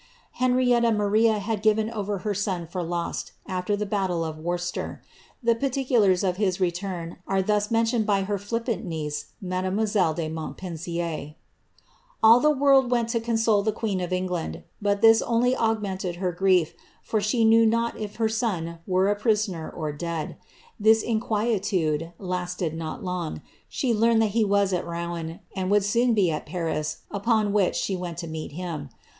* Henrietta Maria had given over her son for lost, after the battle of Worcester; the particulars of his return are thus mentioned by her flip* pant niece, mademoiselle de Montpensier :—^ All the world went to console the queen of Eln^and ; but this only augmented her frie( for she knew not if her son were a prisoner or dead. This inquietude liitBd not long; she learned that he was at Rouen, and would soon be it Paris, upon which she went to meet him.'